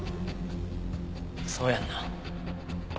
そうやんな。